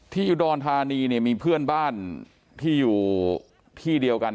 ที่ดรห์นธานีมีเพื่อนบ้านที่อยู่ที่เดียวกัน